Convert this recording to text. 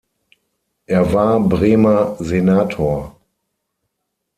Er war Bremer Senator.